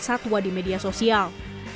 satwa di media sosial